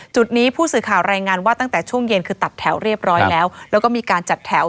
จุดนี้ผู้สื่อข่าวรายงานว่าตั้งแต่ช่วงเย็นคือตัดแถวเรียบร้อยแล้วแล้วก็มีการจัดแถว